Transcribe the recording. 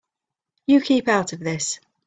You keep out of this.